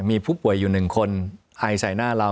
มีผู้ป่วยอยู่๑คนหายใส่หน้าเรา